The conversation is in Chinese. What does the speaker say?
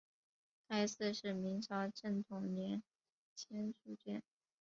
该寺是明朝正统年间敕建。